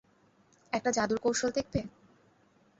একটা জাদুর কৌশল দেখবে?